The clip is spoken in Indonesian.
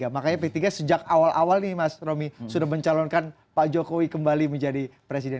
makanya p tiga sejak awal awal nih mas romi sudah mencalonkan pak jokowi kembali menjadi presiden